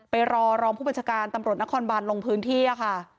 ไปรอรองผู้บัญชาการตำรวจนครบานลงพื้นที่ค่ะ